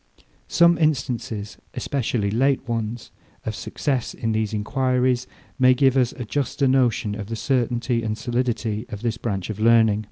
Some instances, especially late ones, of success in these enquiries, may give us a juster notion of the certainty and solidity of this branch of learning.